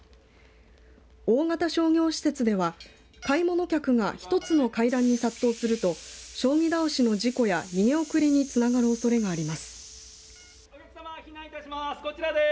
大型商業施設では買い物客がひとつの階段に殺到すると将棋倒しの事故や逃げ遅れにつながるおそれがあります。